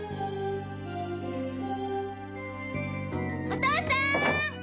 お父さん！